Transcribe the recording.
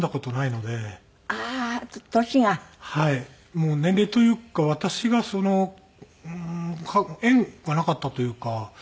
もう年齢というか私がそのうーん縁がなかったというか。